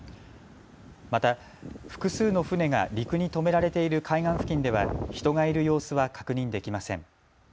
また複数の船が陸に止められている海岸付近では人がいる様子は確認できません。